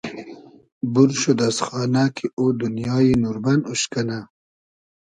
بور شود از خانۂ کی او دونیای نوربئن اوش کئنۂ